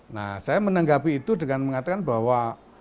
nah saya menanggapi itu dengan mengatakan bahwa